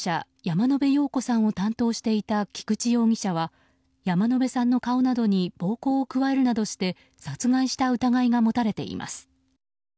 山野辺陽子さんを担当していた菊池容疑者は山野辺さんの顔などに暴行を加えるなどして殺害した疑いが持たれています。